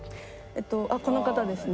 あっこの方ですね。